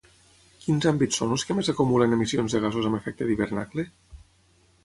Quins àmbits són els que més acumulen emissions de gasos amb efecte d'hivernacle?